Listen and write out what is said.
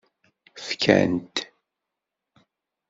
Fkan-t.